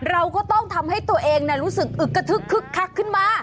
เราก็ต้องทำให้ตัวเองรู้สึกอึกกระทึกคึกคักขึ้นมา